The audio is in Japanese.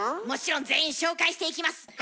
もちろん全員紹介していきます。